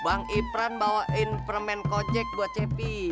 bang ipran bawain permen kojek buat cepi